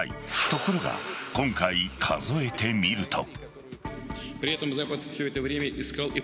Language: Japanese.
ところが今回、数えてみると。